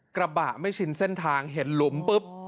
กระบะไม่ชินเส้นทางเห็นหลุมปุ๊บ